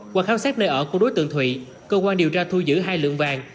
qua khám xét nơi ở của đối tượng thụy cơ quan điều tra thu giữ hai lượng vàng